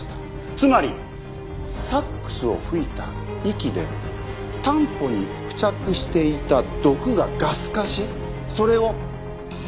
つまりサックスを吹いた息でタンポに付着していた毒がガス化しそれを。